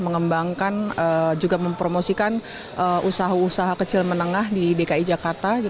mengembangkan juga mempromosikan usaha usaha kecil menengah di dki jakarta